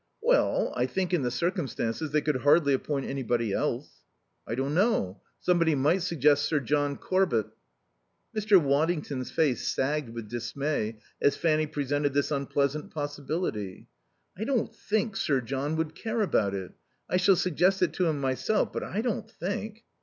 "Well, I think, in the circumstances, they could hardly appoint anybody else." "I don't know. Somebody might suggest Sir John Corbett." Mr. Waddington's face sagged with dismay as Fanny presented this unpleasant possibility. "I don't think Sir John would care about it. I shall suggest it to him myself; but I don't think